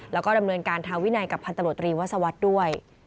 แล้วก็ดำเนินการทางวินัยกับพันตรวจตรีวัศวรรษด้วย